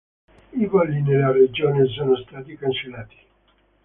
I voli nella regione sono stati cancellati.